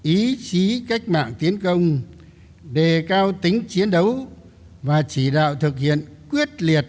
ý chí cách mạng tiến công đề cao tính chiến đấu và chỉ đạo thực hiện quyết liệt